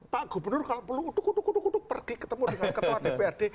pak gubernur kalau perlu untuk pergi ketemu dengan ketua dprd